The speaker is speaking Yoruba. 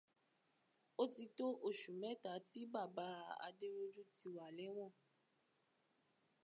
Ó ti tó oṣù mẹ́ta tí bàbá Adérójú ti wà lẹ́wọ̀n